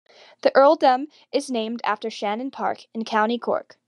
The earldom is named after Shannon Park in County Cork.